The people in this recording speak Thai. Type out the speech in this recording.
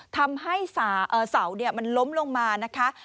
ทำให้เสาเนี่ยมันล้มลงมานะค่ะ